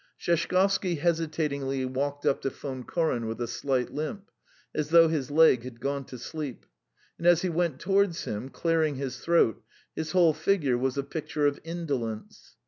Sheshkovsky hesitatingly walked up to Von Koren with a slight limp, as though his leg had gone to sleep; and as he went towards him, clearing his throat, his whole figure was a picture of indolence.